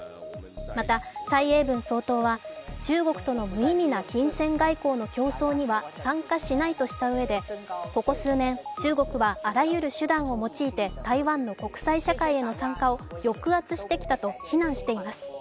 また蔡英文総統は中国との無意味な金銭外交の競争には参加しないとしたうえで、ここ数年中国はあらゆる手段を用いて台湾の国際社会への参加を抑圧してきたと非難しています。